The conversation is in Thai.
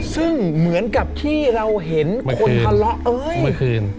ซึ่งเหมือนกับที่เราเห็นคนทะเลาะเอ้ยเมื่อคืน